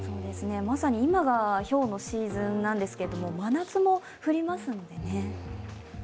まさに今がひょうのシーズンなんですけれども真夏も降りますのでね。